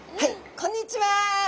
こんにちは。